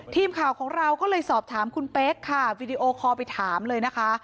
ทีมข่าวของเราก็เลยสอบถามคุณเป๊กค่ะวีดีโอคอลไปถามเลยนะคะ